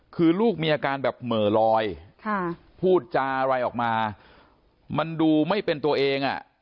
คือลูกมีอาการแบบเหม่อลอยพูดจาอะไรออกมามันดูไม่เป็นตัวเองอ่ะ